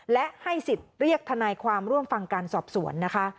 และให้สิทธิ์เรียกทนายความร่วมฟังการสอบสวนนะคะ